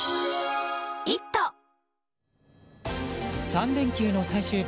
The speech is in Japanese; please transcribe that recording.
３連休の最終日。